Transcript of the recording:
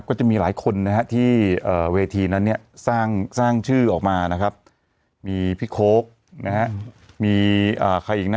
ก็จะมีหลายคนที่เวทีนั้นสร้างชื่อออกมานะครับมีพี่โค๊กมีใครอีกนะ